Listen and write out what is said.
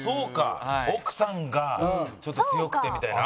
奥さんがちょっと強くてみたいな？